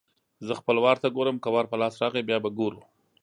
زه خپل وار ته ګورم؛ که وار په لاس راغی - بیا به ګورو.